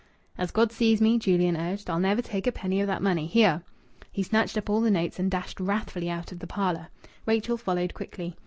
"As God sees me," Julian urged, "I'll never take a penny of that money! Here " He snatched up all the notes and dashed wrathfully out of the parlour. Rachel followed quickly.